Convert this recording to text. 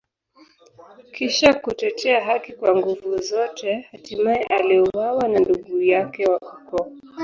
Kisha kutetea haki kwa nguvu zote, hatimaye aliuawa na ndugu yake wa ukoo.